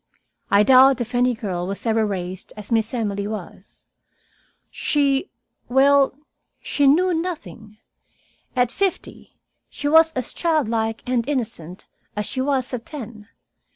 I doubt if any girl was ever raised as Miss Emily was. She well, she knew nothing. At fifty she was as childlike and innocent as she was at ten.